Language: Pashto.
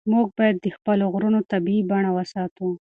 موږ باید د خپلو غرونو طبیعي بڼه وساتو.